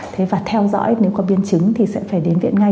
thế và theo dõi nếu có biến chứng thì sẽ phải đến viện ngay